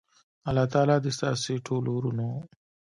الله تعالی دی ستاسی ټولو ورونو